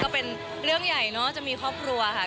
ก็เป็นเรื่องใหญ่เนอะจะมีครอบครัวค่ะ